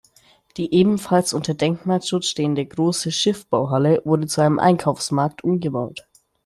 Die ebenfalls unter Denkmalschutz stehende große Schiffbauhalle wurde zu einem Einkaufsmarkt umgebaut.